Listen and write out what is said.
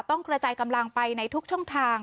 กระจายกำลังไปในทุกช่องทาง